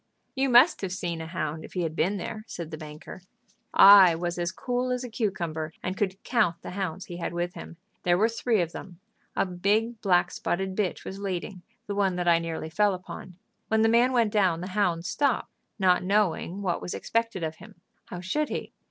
"You must have seen a hound if he had been there," said the banker. "I was as cool as a cucumber, and could count the hounds he had with him. There were three of them. A big black spotted bitch was leading, the one that I nearly fell upon. When the man went down the hound stopped, not knowing what was expected of him. How should he?